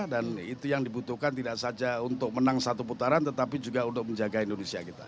dan itu yang dibutuhkan tidak saja untuk menang satu putaran tetapi juga untuk menjaga indonesia kita